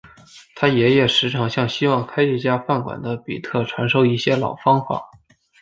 他爷爷时常向希望开一家饭馆的比特传授一些老方法。